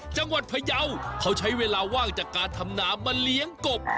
พยาวเขาใช้เวลาว่างจากการทำนามาเลี้ยงกบ